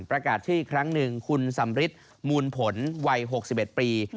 ปรากาศที่ครั้งหนึ่งคุณสำฤิษฎิ์มูลผลวัย๖๑ปี